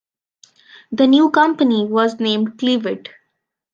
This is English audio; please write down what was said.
The new company was named Clevite.